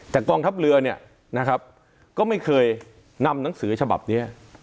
แต่กองทัพเรือเนี่ยนะครับก็ไม่เคยนำหนังสือฉบับนี้